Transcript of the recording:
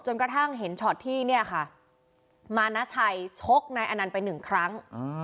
กระทั่งเห็นช็อตที่เนี่ยค่ะมานาชัยชกนายอนันต์ไปหนึ่งครั้ง